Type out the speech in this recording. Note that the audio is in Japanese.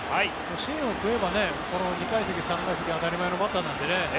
芯を食えば２階席、３階席当たり前のバッターなのでね